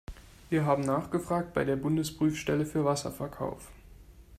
Wir haben nachgefragt bei der Bundesprüfstelle für Wasserverkauf.